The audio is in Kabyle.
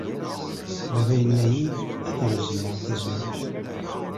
Baba yenna-iyi-d ad reẓmeɣ tazewwut.